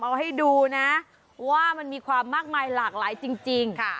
เอาให้ดูนะว่ามันมีความมากมายหลากหลายจริง